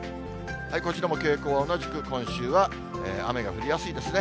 こちらも傾向は同じく、今週は雨が降りやすいですね。